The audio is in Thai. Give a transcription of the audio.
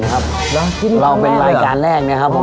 ใช่คนแรกหรือเราเป็นรายการแรกเนี่ยครับ่อม